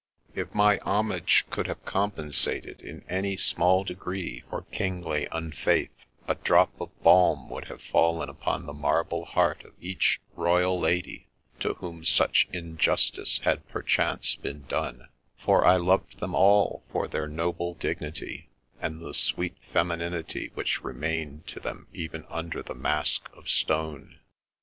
If my homage could have compensated in any small degree for kingly unfaith, a drop of balm would have fallen upon the marble heart of each royal lady to whom such injustice had perchance been done; for I loved them all for their noble dignity, and the sweet femininity which remained to them even under the mask of stone.